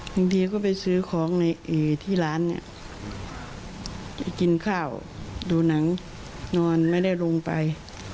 บางทีก็ไปซื้อของในที่ร้านเนี่ยไปกินข้าวดูหนังนอนไม่ได้ลงไป